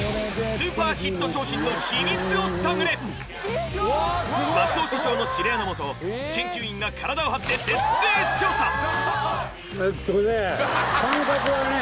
スーパーヒット商品の秘密を探れ松尾所長の指令のもと研究員が体を張って徹底調査えっとね